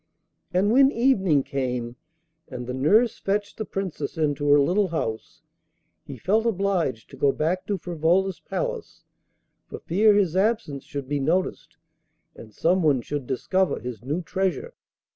And when evening came, and the nurse fetched the Princess into her little house, he felt obliged to go back to Frivola's palace, for fear his absence should be noticed and someone should discover his new treasure.